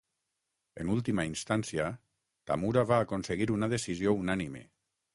En última instància, Tamura va aconseguir una decisió unànime..